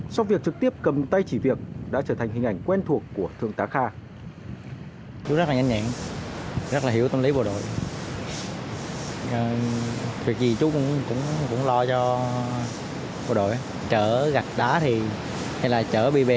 sau việc trực tiếp cầm tay chỉ việc đã trở thành hình ảnh quen thuộc